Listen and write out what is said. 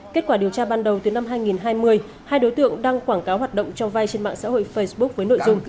kết quả điều tra ban đầu từ năm hai nghìn hai mươi hai đối tượng đăng quảng cáo hoạt động cho vay trên mạng xã hội facebook với nội dung